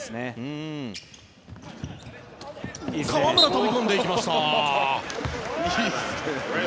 飛び込んでいきました。